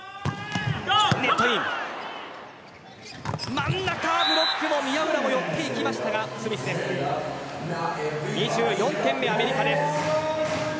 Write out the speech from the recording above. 真ん中、ブロック宮浦も寄っていきましたが２４点目、アメリカです。